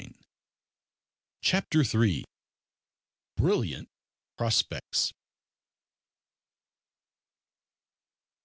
CHAPTER THREE. BRILLIANT PROSPECTS.